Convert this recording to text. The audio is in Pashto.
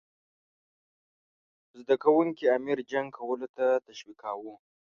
زده کوونکي امیر جنګ کولو ته تشویقاووه.